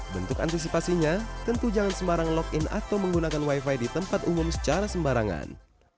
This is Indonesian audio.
bentuk antisipasinya tentu jangan sembarang login atau menggunakan wifi di tempat umum secara sembarangan